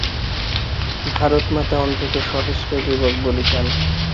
ভারতমাতা অন্তত সহস্র যুবক বলি চান।